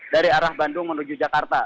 dari arah bandung menuju jakarta